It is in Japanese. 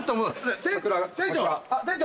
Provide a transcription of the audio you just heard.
店長！